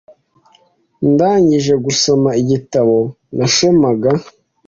Ndangije gusoma igitabo nasomaga .